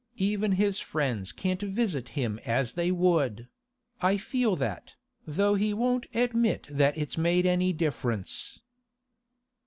Even his friends can't visit him as they would; I feel that, though he won't admit that it's made any difference.